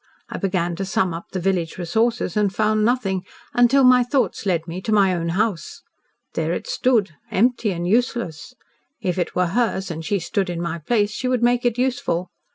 I began to sum up the village resources and found nothing until my thoughts led me to my own house. There it stood empty and useless. If it were hers, and she stood in my place, she would make it useful.